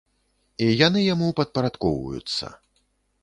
І яны яму падпарадкоўваюцца.